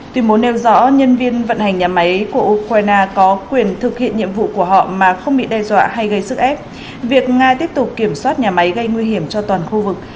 tuyên bố nêu rõ nhân viên vận hành nhà máy của ukraine có quyền thực hiện nhiệm vụ của họ mà không bị đe dọa hay gây sức ép việc nga tiếp tục kiểm soát nhà máy gây nguy hiểm cho toàn khu vực